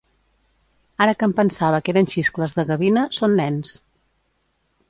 Ara que em pensava que eren xiscles de gavina, són nens